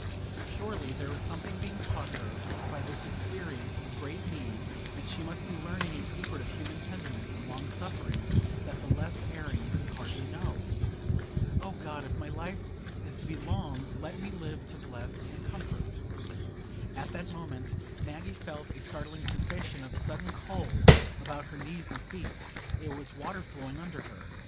Surely there was something being taught her by this experience of great need; and she must be learning a secret of human tenderness and long suffering, that the less erring could hardly know? "O God, if my life is to be long, let me live to bless and comfort——" At that moment Maggie felt a startling sensation of sudden cold about her knees and feet; it was water flowing under her.